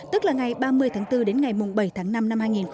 tức là ngày ba mươi tháng bốn đến ngày bảy tháng năm năm hai nghìn hai mươi